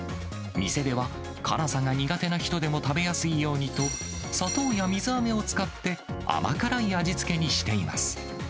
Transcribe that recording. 店では、辛さが苦手な人でも食べやすいようにと、砂糖や水あめを使って、甘辛い味つけにしています。